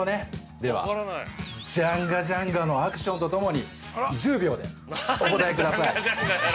では、ジャンガジャンガのアクションとともに１０秒でお答えください。